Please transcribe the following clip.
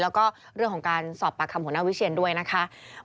แล้วก็เรื่องของการสอบปากคำหัวหน้าวิเชียนด้วยนะคะ